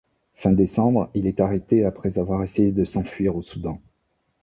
Fin décembre, il est arrêté après avoir essayé de s'enfuir au Soudan.